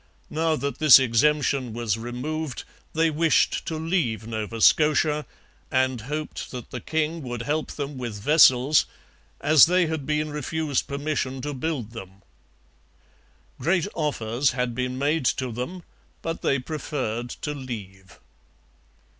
Now that this exemption was removed, they wished to leave Nova Scotia, and hoped that the king would help them with vessels, as they had been refused permission to build them. Great offers had been made to them, but they preferred to leave.